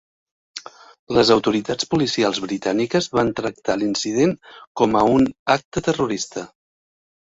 Les autoritats policials britàniques van tractar l'incident com a un acte terrorista.